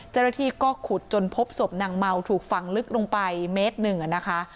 เจ้าหน้าที่ก็ขุดจนพบศพนางเมาถูกฝังลึกลงไปเมตรหนึ่งนะคะ